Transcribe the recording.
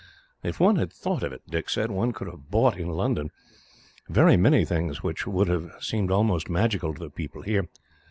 "If one had thought of it," Dick said, "one could have bought, in London, very many things which would have seemed almost magical to the people here.